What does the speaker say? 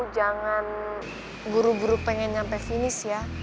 jangan buru buru pengen nyampe finish ya